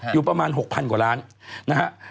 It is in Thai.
อยู่ประมาณ๖๐๐กว่าล้านนะฮะ